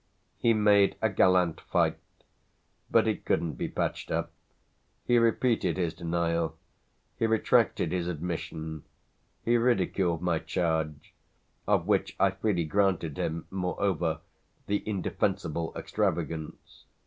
He made a gallant fight, but it couldn't be patched up; he repeated his denial, he retracted his admission, he ridiculed my charge, of which I freely granted him moreover the indefensible extravagance.